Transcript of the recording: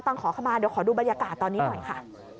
ขอขมาเดี๋ยวขอดูบรรยากาศตอนนี้หน่อยค่ะ